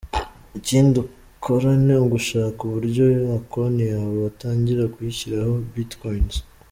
Ikindi ukora ni ugushaka uburyo ya konti yawe watangira gushyiraho Bitcoins.